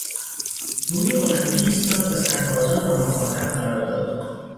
روی بلندی ایستاد و سربازان را مخاطب قرار داد.